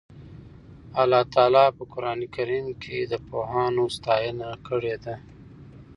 الله تعالی په قرآن کې د پوهانو ستاینه کړې ده.